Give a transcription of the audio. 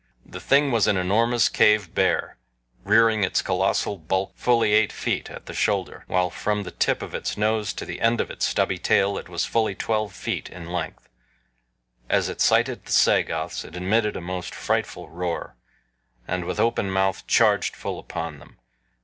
The thing was an enormous cave bear, rearing its colossal bulk fully eight feet at the shoulder, while from the tip of its nose to the end of its stubby tail it was fully twelve feet in length. As it sighted the Sagoths it emitted a most frightful roar, and with open mouth charged full upon them.